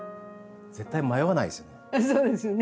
絶対迷わないですよね。